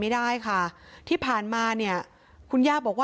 ด้านล่าง